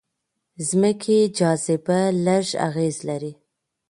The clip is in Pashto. ځمکې جاذبه لږ اغېز لري.